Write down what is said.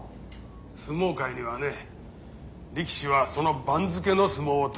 相撲界にはね「力士はその番付の相撲を取る」って言葉がある。